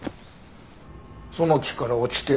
その木から落ちて。